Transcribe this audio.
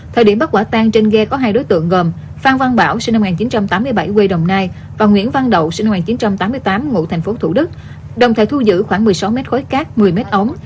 thời điểm bắt quả tan trên ghe có hai đối tượng gồm phan văn bảo sinh năm một nghìn chín trăm tám mươi bảy quê đồng nai và nguyễn văn đậu sinh năm một nghìn chín trăm tám mươi tám ngụ tp thủ đức đồng thời thu giữ khoảng một mươi sáu mét khối cát một mươi m ống